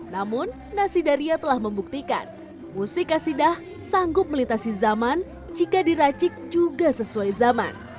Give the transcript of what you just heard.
namun nasidariya telah membuktikan musik asidah sanggup melitasi zaman jika diracik juga sesuai zaman